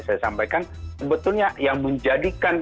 saya sampaikan sebetulnya yang menjadikan